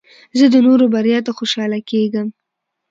زه د نورو بریا ته خوشحاله کېږم.